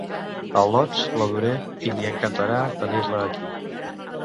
Al·lots, la duré, i li encantarà tenir-la aquí.